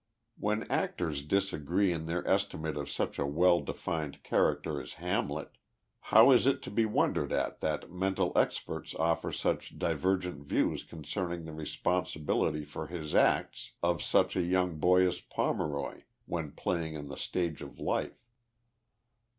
When actors disagree in their estimate of such a well defined character as 25 THE LIFE OF JESSE HARDING FOMEIIOY. Hamlet, how is it to be wondered at that mental experts oiler such divergent views concerning the responsibility for his acts of such a young boy as Pomeroy, when playing on the stage of life.